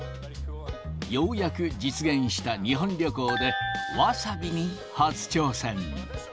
ようやく実現した日本旅行で、ワサビに初挑戦。